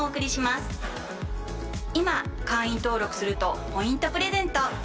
今会員登録するとポイントプレゼント！